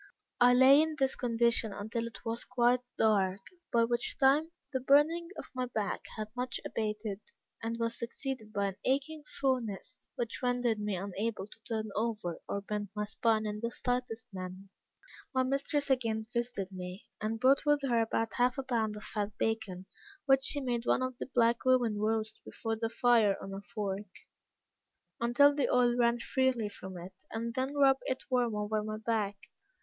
I lay in this condition until it was quite dark, by which time the burning of my back had much abated, and was succeeded by an aching soreness, which rendered me unable to turn over or bend my spine in the slightest manner. My mistress again visited me, and brought with her about half a pound of fat bacon, which she made one of the black women roast before the fire on a fork, until the oil ran freely from it, and then rub it warm over my back.